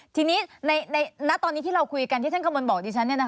ทีนี้ในตอนนี้ที่เราคุยกันที่ท่านกระมวลบอกดิฉัน